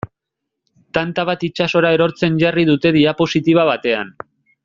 Tanta bat itsasora erortzen jarri dute diapositiba batean.